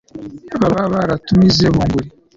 baba baratumize bunguri